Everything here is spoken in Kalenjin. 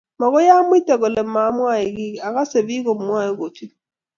magoy amuita kole moyae kiy akase pikk komwae kuchot